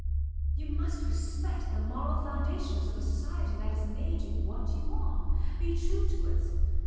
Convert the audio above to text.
You must respect the moral foundations of a society that has made you what you are. Be true to it.